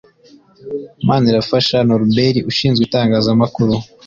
Manirafasha Norbert ushinzwe itangazamakuru